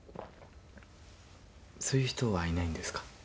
そういう人はいないんですか？